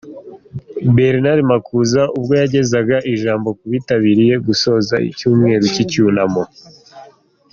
Bernard Makuza ubwo yagezaga ijambo ku bitabiriye gusoza icyumweru cy'icyunamo.